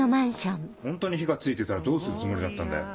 ホントに火が付いてたらどうするつもりだったんだよ。